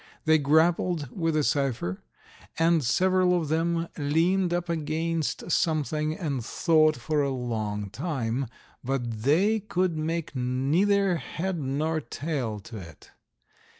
They grappled with the cipher, and several of them leaned up against something and thought for a long time, but they could make neither head nor tail to it.